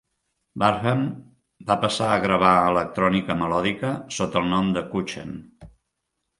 Barham va passar a gravar electrònica melòdica sota el nom de Kuchen.